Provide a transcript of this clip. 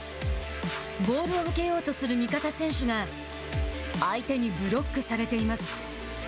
ボールを受けようとする味方選手が相手にブロックされています。